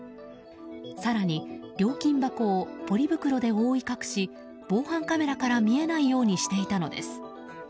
更に、料金箱をポリ袋で覆い隠し防犯カメラから見えないようにしていたのです。